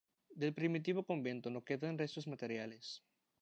Del primitivo convento no quedan restos materiales.